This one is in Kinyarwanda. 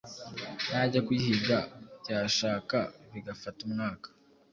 najya kuyihiga byashaka bigafata umwaka